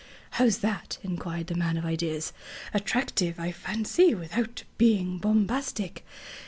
"How's that?" inquired the man of ideas. "Attractive, I fancy, without being bombastic.